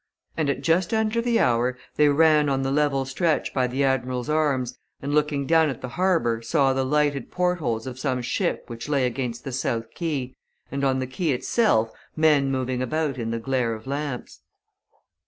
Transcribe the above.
And at just under the hour they ran on the level stretch by the "Admiral's Arms" and looking down at the harbour saw the lighted port holes of some ship which lay against the south quay, and on the quay itself men moving about in the glare of lamps.